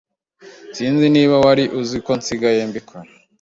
sinzi niba wari uzi ko nsigaye mbikora